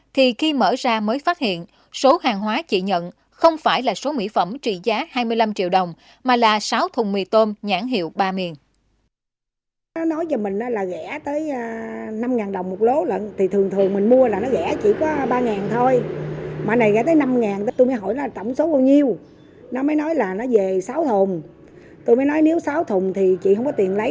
thì khi mở ra mới phát hiện số hàng hóa chị nhận không phải là số mỹ phẩm trị giá hai mươi năm triệu đồng mà là sáu thùng mì tôm nhãn hiệu ba miền